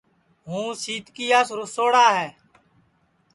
ہُوں سِیتکِیاس رُسوڑا ہے